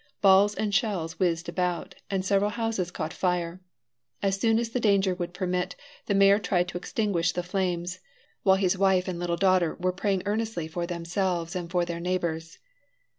Balls and shells whizzed about, and several houses caught fire. As soon as the danger would permit, the mayor tried to extinguish the flames, while his wife and little daughter were praying earnestly for themselves and for their neighbors.